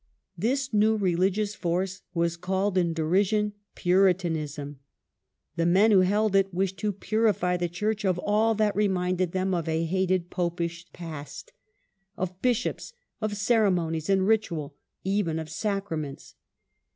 This new religious force was called in derision Puritanism. The men who held it wished to purify the church of all that reminded them of a hated Popish past — of bishops, of ceremonies and ritual, even of sacraments.